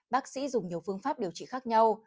bác sĩ dùng nhiều phương pháp điều trị khác nhau